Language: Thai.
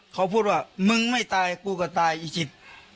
เขาพูดว่ามึงไม่ตายกูก็ตายอีชิด